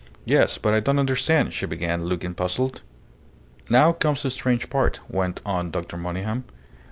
"Yes. But I don't understand," she began, looking puzzled. "Now comes the strange part," went on Dr. Monygham.